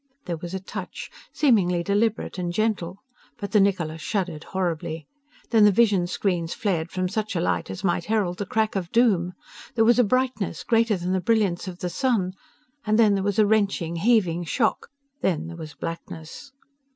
There was a touch, seemingly deliberate and gentle. But the Niccola shuddered horribly. Then the vision screens flared from such a light as might herald the crack of doom. There was a brightness greater than the brilliance of the sun. And then there was a wrenching, heaving shock. Then there was blackness.